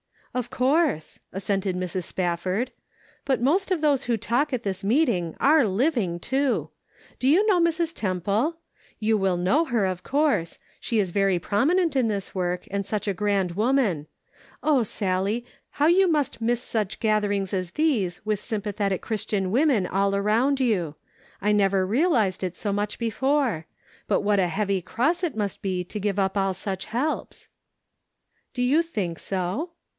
" Of course," assented Mrs. Spafford ;" but most of those who talk at this meeting are living, too. Do you know Mrs. Temple ? You will know her, of course. She is very prominent in this work, and such a grand woman. Oh, Sallie, how you must miss such 454 The Pocket Measure. gatherings as these with sympathetic Christian women all around you. I never realized it so much before ; but what a heavy cross it must be to give up all such helps?" " Do you think so